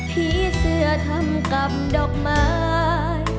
ผีเสื้อทำกับดอกไม้